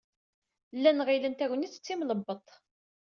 Llan ɣilen Tagnit d timlebbeḍt.